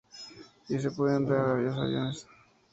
Y se pueden dar a dos niveles.